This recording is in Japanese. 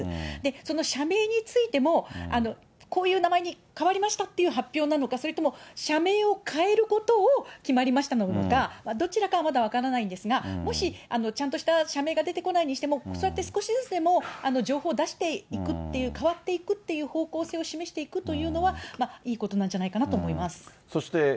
その社名についても、こういう名前に変わりましたっていう発表なのか、それとも社名を変えることを決まりましたなのか、どちらかはまだ分からないんですが、もしちゃんとした社名が出てこないにしても、そうやって少しずつでも情報を出していくっていう、変わっていくっていう方向性を示していくというのは、いいことなんじゃないかなと思います。